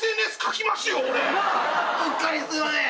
うっかりすいません。